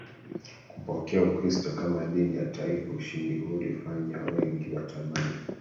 kupokea Ukristo kama dini ya taifa Ushindi huo ulifanya wengi watamani